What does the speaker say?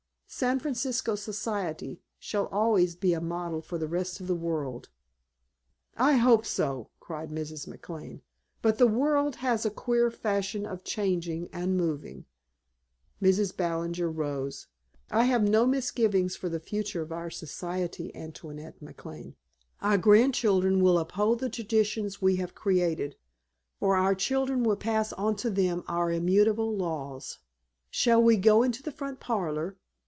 San Francisco Society shall always be a model for the rest of the world." "I hope so!" cried Mrs. McLane. "But the world has a queer fashion of changing and moving." Mrs. Ballinger rose. "I have no misgivings for the future of our Society, Antoinette McLane. Our grandchildren will uphold the traditions we have created, for our children will pass on to them our own immutable laws. Shall we go into the front parlor?